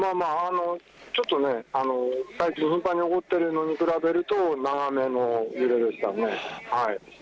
ちょっと、頻繁に起こっているのに比べると長めの揺れでしたね。